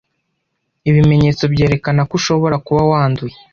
ibimenyetso byerekana ko ushobora kuba wanduye